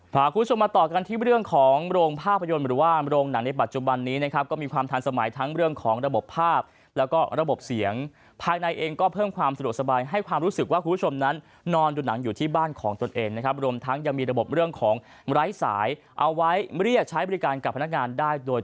พาคุณผู้ชมมาต่อกันที่เรื่องของโรงภาพยนตร์หรือว่าโรงหนังในปัจจุบันนี้นะครับก็มีความทันสมัยทั้งเรื่องของระบบภาพแล้วก็ระบบเสียงภายในเองก็เพิ่มความสะดวกสบายให้ความรู้สึกว่าคุณผู้ชมนั้นนอนดูหนังอยู่ที่บ้านของตนเองนะครับรวมทั้งยังมีระบบเรื่องของไร้สายเอาไว้เรียกใช้บริการกับพนักงานได้โดย